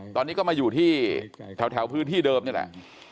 ตอนนี้ก็มาอยู่ที่แถวพื้นที่เดิมนี่แหละ